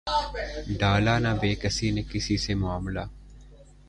ڈالا نہ بیکسی نے کسی سے معاملہ